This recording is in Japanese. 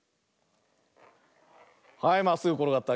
はいまっすぐころがった。